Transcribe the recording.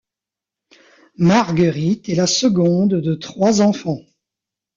Marguerite est la seconde de trois enfants.